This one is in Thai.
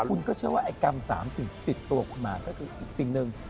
คุณก็เชื่อว่าไอ้กรรม๓สิ่งที่ติดตัวคุณมาก็คืออีกสิ่งหนึ่ง